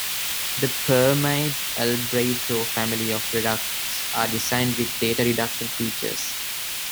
The Permabit Albireo family of products are designed with data reduction features.